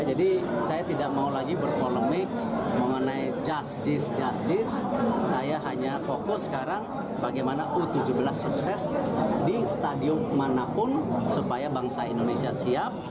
jadi saya tidak mau lagi berpolemik mengenai jis jis saya hanya fokus sekarang bagaimana u tujuh belas sukses di stadium manapun supaya bangsa indonesia siap